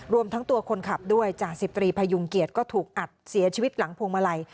รวมทั้งตัวคนขับด้วยจ่าสิบตรีพยุงเกียจก็ถูกอัดเสียชีวิตหลังพวงมาลัย